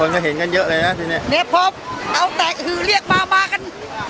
ตอนนี้ต้องเป็นเวลาอย่างนั้น